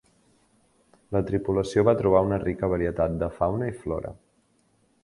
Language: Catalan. La tripulació va trobar una rica varietat de fauna i flora.